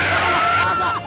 pak pak asap